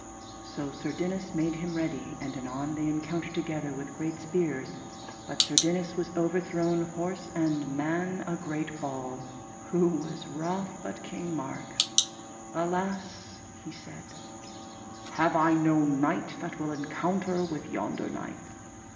So Sir Dinas made him ready, and anon they encountered together with great spears, but Sir Dinas was overthrown, horse and man, a great fall. Who was wroth but King Mark! Alas, he said, have I no knight that will encounter with yonder knight?